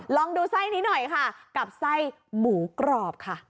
ลองดูไส้นี้หน่อยค่ะกับไส้หมูกรอบค่ะ